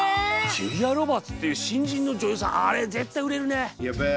ジュリア・ロバーツっていう新人の女優さんあれ絶対売れるね。